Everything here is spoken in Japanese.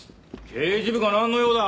刑事部がなんの用だ！